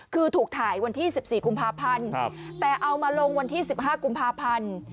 คือถูกถ่ายวันที่๑๔กุมภาพันธ์แต่เอามาลงวันที่๑๕กุมภาพันธ์